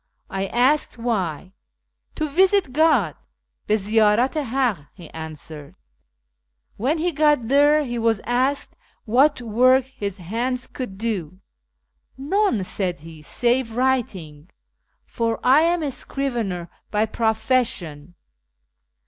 I asked why. ' To visit God ' (bi ziydrat i Hakk), he answered. When he got there he was asked what work his hands could do. * None,' said he, ' save writing ; for I am a scrivener by pro fession.'